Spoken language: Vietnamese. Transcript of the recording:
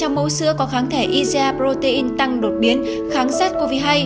khoảng chín mươi mẫu sữa có kháng thể iga protein tăng đột biến kháng sars cov hai